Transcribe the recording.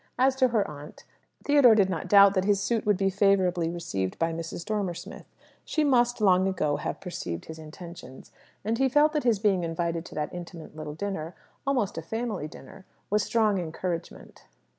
As to her aunt, Theodore did not doubt that his suit would be favourably received by Mrs. Dormer Smith. She must, long ago, have perceived his intentions; and he felt that his being invited to that intimate little dinner almost a family dinner was strong encouragement.